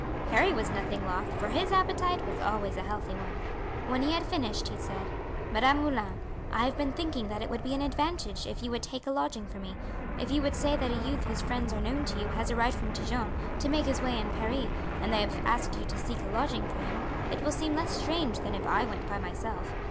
Harry was nothing loth, for his appetite was always a healthy one. When he had finished he said: "Madame Moulin, I have been thinking that it would be an advantage if you would take a lodging for me. If you would say that a youth whose friends are known to you has arrived from Dijon, to make his way in Paris, and they have asked you to seek a lodging for him; it will seem less strange than if I went by myself.